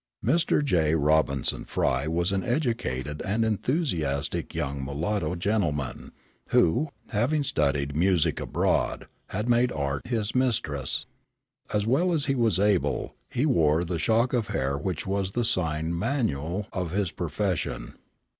Mr. J. Robinson Frye was an educated and enthusiastic young mulatto gentleman, who, having studied music abroad, had made art his mistress. As well as he was able, he wore the shock of hair which was the sign manual of his profession.